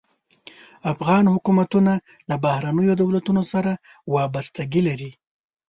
افغان حکومتونه له بهرنیو دولتونو سره وابستګي لري.